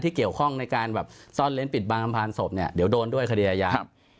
ที่เกี่ยวข้องในการซ่อนเล้นปิดบางคำพาณศพเดี๋ยวโดนด้วยคดีอาญา